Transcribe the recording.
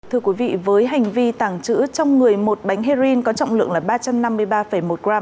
thưa quý vị với hành vi tàng trữ trong người một bánh heroin có trọng lượng là ba trăm năm mươi ba một g